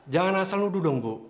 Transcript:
jangan asal nuduh dong bu